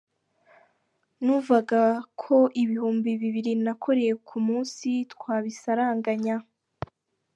Numvaga ko ibihumbi bibiri nakoreye ku munsi twabisaranganya.